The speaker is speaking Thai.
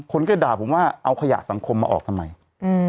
คนก็ด่าผมว่าเอาขยะสังคมมาออกทำไมอืม